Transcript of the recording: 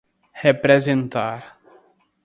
representar